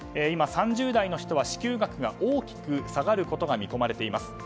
今、３０代の人は支給額が大きく下がることが見込まれています。